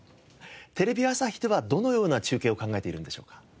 テレビ朝日ではどのような中継を考えているんでしょうか？